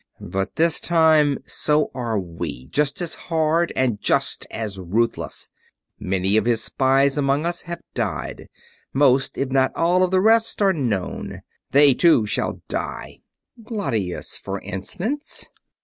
But, this time, so are we. Just as hard and just as ruthless. Many of his spies among us have died; most, if not all, of the rest are known. They, too, shall die. Glatius, for instance.